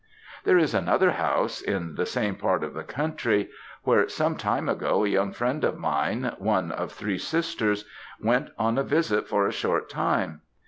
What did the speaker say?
"There is another house in the same part of the county, where sometime ago a young friend of mine, one of three sisters, went on a visit for a short time.